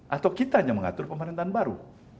atau kita yang mengatur pemerintahan baru